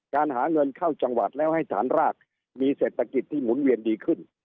การหาเงินเข้าจังหวัดแล้วให้ฐานรากมีเศรษฐกิจที่หมุนเวียนดีขึ้น